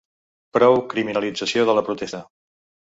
Prou criminalització de la protesta!